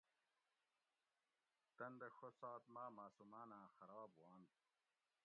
تن دہ ڛو سات ماۤ ماۤسوماۤناں خراب ہُواۤنت